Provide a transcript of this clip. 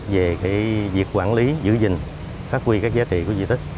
vấn đề thứ hai là việc quản lý giữ gìn phát huy các giá trị của di tích